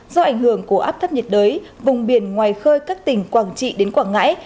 do ảnh hưởng của áp thấp nhiệt đới vùng biển ngoài khơi các tỉnh quảng trị đến quảng ngãi